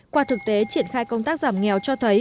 qua thực tế triển khai công tác giảm nghèo cho thấy